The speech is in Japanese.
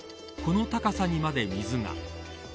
この高さにまで水が。